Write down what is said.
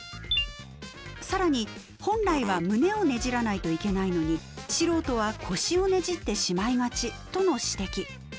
更に本来は胸をねじらないといけないのに素人は腰をねじってしまいがちとの指摘。